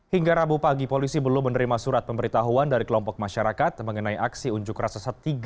hingga rabu pagi polisi belum menerima surat pemberitahuan dari kelompok masyarakat mengenai aksi unjuk rasa satu tiga